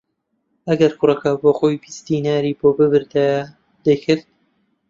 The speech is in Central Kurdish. ئەگەر کوڕەکە بۆ خۆی بیست دیناری بۆ ببردایە دەیکرد